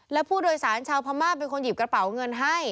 และผู้โดยสารชาวพม่าเป็นคนหยิบกระเป๋าเงินให้